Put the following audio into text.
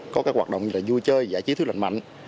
có các hoạt động như là vui chơi giải trí thuyết lệnh mạnh